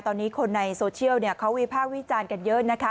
ตอนนี้คนในโซเชียลเขาวิพากษ์วิจารณ์กันเยอะนะคะ